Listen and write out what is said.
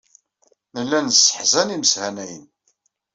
Nella nesseḥzan imeshanayen.